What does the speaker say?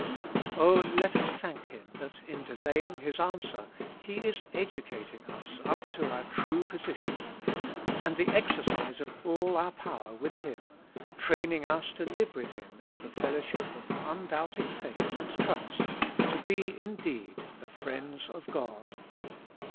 O let us thank Him that in delaying His answer He is educating us up to our true posi tion, and the exercise of all our power with Him, training us to live with Him in the fellowship of un doubting faith and trust, to be indeed the friends of 68 With Christ in the School of Prayer. God.